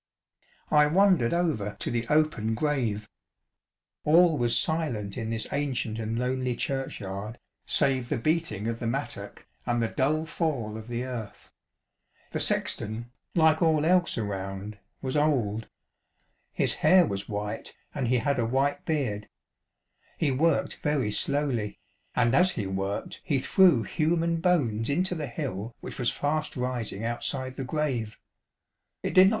I wandered over to the open grave. All was silent in this ancient and lonely churchyard, save the beating of the mattock and the dull fall of the earth. The sexton, like all else around, was old ; his hair was white. 82 Field Paths and Green Lanes. ch. vi. and he had a white beard. He worked very slowly, and as he worked he threw human bones into the hill which was fast rising outside the grave. It did not.